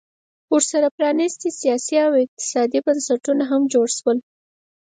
ورسره پرانیستي سیاسي او اقتصادي بنسټونه هم جوړ شول